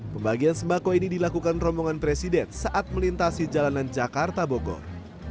pembagian sembako ini dilakukan rombongan presiden saat melintasi jalanan jakarta bogor